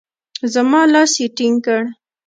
زما لاس يې ټينګ کړ.